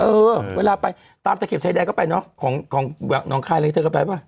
เออเวลาไปตามตะเข็บชายแดนก็ไปเนอะของน้องคายอะไรเธอก็ไปป่ะ